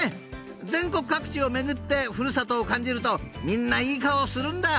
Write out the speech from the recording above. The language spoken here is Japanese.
［全国各地を巡ってふるさとを感じるとみんないい顔をするんだよ］